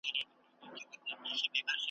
ویل ښکلي کوچېدلي ویل وچ دي ګودرونه `